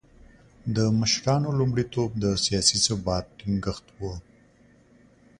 د مشرانو لومړیتوب د سیاسي ثبات ټینګښت و.